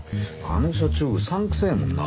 あの社長うさんくせえもんな。